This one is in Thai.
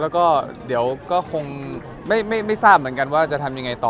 แล้วก็เดี๋ยวก็คงไม่ทราบเหมือนกันว่าจะทำยังไงต่อ